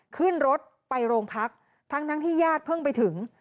ขึ้นรถไปโรงพักทั้งที่ญาติเพิ่งไปถึง